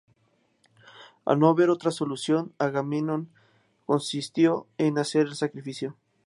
Al no haber otra solución, Agamenón consintió en hacer el sacrificio.